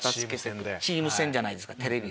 チーム戦じゃないですかテレビは。